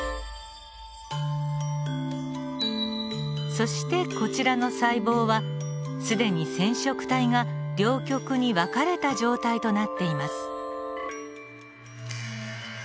そしてこちらの細胞は既に染色体が両極に分かれた状態となっています。